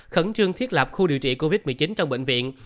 khẩn trương thiết lập khu điều trị covid một mươi chín trong bệnh viện